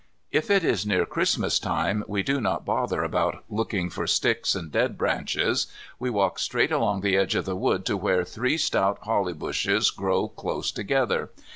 If it is near Chrismas time we do not bother about looking for sticks and dead branches. We walk straight along the edge of the wood to where three stout holly bushes grow close together.